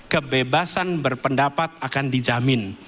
kebebasan berpendapat akan dijamin